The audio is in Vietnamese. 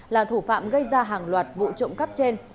là thủ phạm gây ra hàng loạt vụ trộm cắp trên